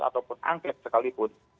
ataupun angket sekalipun